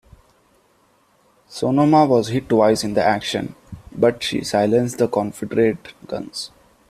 "Sonoma" was hit twice in the action, but she silenced the Confederate guns.